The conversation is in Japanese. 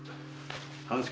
半助。